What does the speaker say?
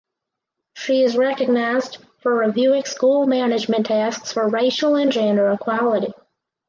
She is recognized for reviewing school management tasks for racial and gender equality.